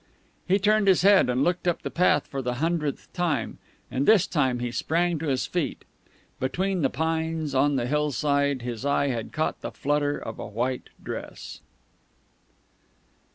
He turned his head, and looked up the path for the hundredth time, and this time he sprang to his feet. Between the pines on the hillside his eye had caught the flutter of a white dress.